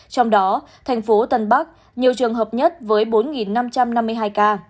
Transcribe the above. trong đó thành phố tân bắc nhiều trường hợp nhất với bốn năm trăm năm mươi hai ca